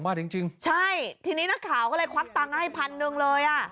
๒บาทจริงใช่ทีนี้นักข่าวก็เลยควักตังค์ให้๑๐๐๐เลย